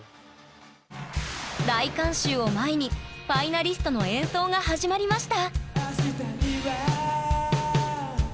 大観衆を前にファイナリストの演奏が始まりました